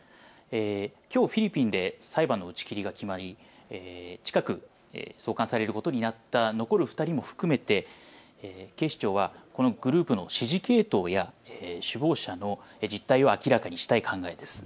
きょうフィリピンで裁判の打ち切りが決まり、近く送還されることになった残る２人も含めて警視庁はグループの指示系統や首謀者の実態を明らかにしたい考えです。